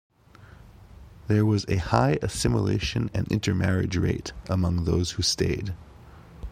There was a high assimilation and intermarriage rate among those who stayed.